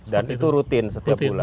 dan itu rutin setiap bulan